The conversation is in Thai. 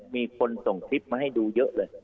มีคนส่งคลิปมาให้ดูเยอะเลย